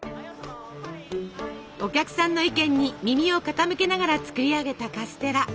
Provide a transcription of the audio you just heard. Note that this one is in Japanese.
お客さんの意見に耳を傾けながら作り上げたカステラ。